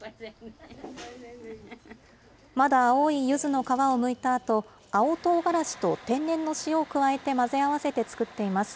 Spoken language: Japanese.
まだ青いゆずの皮をむいたあと、青とうがらしと天然の塩を加えて混ぜ合わせて作っています。